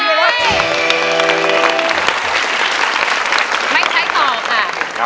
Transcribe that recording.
ไม่ใช้ต่อค่ะ